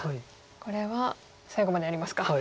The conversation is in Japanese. これは最後までやりますか。